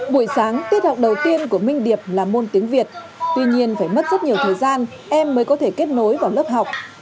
buổi sáng tiết học đầu tiên của minh điệp là môn tiếng việt tuy nhiên phải mất rất nhiều thời gian em mới có thể kết nối vào lớp học